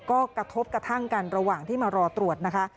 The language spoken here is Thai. ก็กระทบกระทั่งกันระหว่างที่มารอตรวจนะคะ